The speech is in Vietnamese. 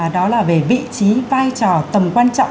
đó là về vị trí vai trò tầm quan trọng